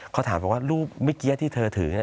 เขาถามบอกว่ารูปเมื่อกี้ที่เธอถือ